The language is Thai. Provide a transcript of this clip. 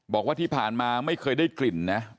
บอกว่าที่ผ่านมาไม่เคยได้กลิ่นนะ